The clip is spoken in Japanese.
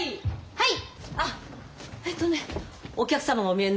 はい。